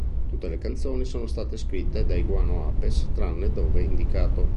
Tutte le canzoni sono state scritte dai Guano Apes tranne dove indicato.